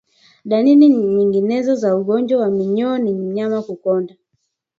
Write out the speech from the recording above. Dalili nyinginezo za ugonjwa wa minyoo ni mnyama kukonda